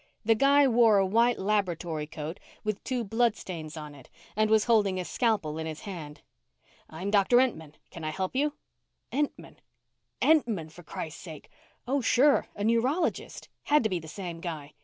The guy wore a white laboratory coat with two bloodstains on it and was holding a scalpel in his hand. "I'm Doctor Entman. Can I help you?" Entman Entman for Christ sake. Oh, sure, a neurologist. Had to be the same guy.